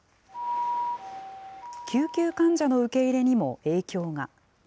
救急患者の受け入れにも影響が。